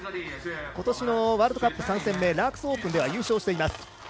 今年のワールドカップ３戦目ラークスオープンでは優勝しています。